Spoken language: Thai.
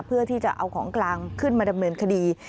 เพื่อที่จะเอาของกลางขึ้นมาดำเนินคดี